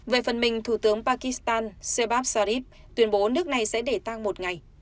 về phần mình thủ tướng pakistan sebab sharif tuyên bố nước này sẽ để tăng một ngày